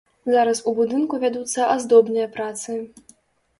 Зараз у будынку вядуцца аздобныя працы.